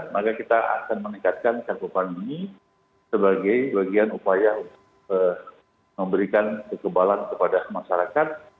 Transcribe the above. maka kita akan meningkatkan cakupan ini sebagai bagian upaya untuk memberikan kekebalan kepada masyarakat